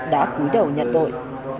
đã cúi đầu nhận tội